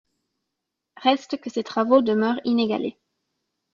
Reste que ces travaux demeurent inégalés.